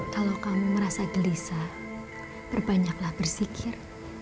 kalau kamu merasa gelisah berbanyaklah bersikir